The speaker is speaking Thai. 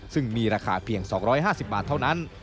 ซึ่งมีราคาเพียง๒๕๐บาทเท่านั้น